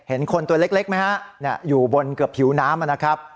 เห็นคนตัวเล็กไหมฮะอยู่บนเกือบผิวน้ำนะครับ